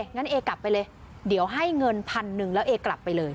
งั้นเอกลับไปเลยเดี๋ยวให้เงินพันหนึ่งแล้วเอกลับไปเลย